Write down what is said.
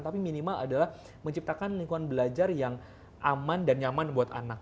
tapi minimal adalah menciptakan lingkungan belajar yang aman dan nyaman buat anak